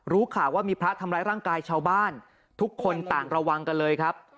รู้ข่าวว่ามีพระทำร้ายร่างกายชาวบ้านทุกคนต่างระวังกันเลยครับ